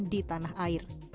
di tanah air